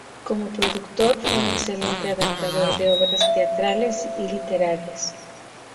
Como productor fue un excelente adaptador de obras teatrales y literarias.